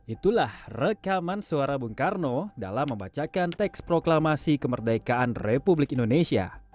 itulah rekaman suara bung karno dalam membacakan teks proklamasi kemerdekaan republik indonesia